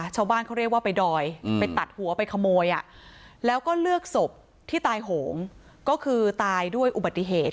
ชาวบ้านเขาเรียกว่าไปดอยไปตัดหัวไปขโมยแล้วก็เลือกศพที่ตายโหงก็คือตายด้วยอุบัติเหตุ